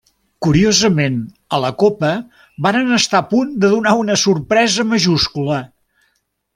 Curiosament, a la Copa varen estar a punt de donar una sorpresa majúscula.